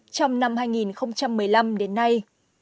trong năm hai nghìn một mươi năm đến nay